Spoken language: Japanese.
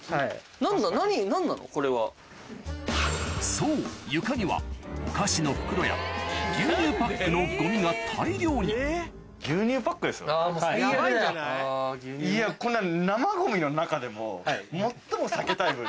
そう床にはお菓子の袋や牛乳パックのゴミが大量にいやこんなん。